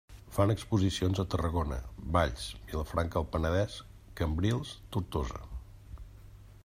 Fan exposicions a Tarragona, Valls, Vilafranca del Penedès, Cambrils, Tortosa.